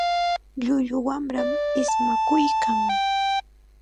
Llullu wamram ismakuykan.